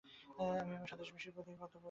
আমি আমার স্বদেশবাসীর প্রতি কর্তব্য কতকটা করেছি।